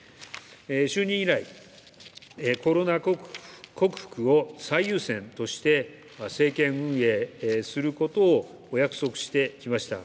就任以来、コロナ克服を最優先として政権運営することをお約束してきました。